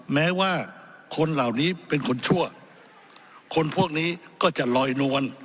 แม้ว่าคนเหล่านี้เป็นคนชั่วคนพวกนี้ก็จะลอยนวล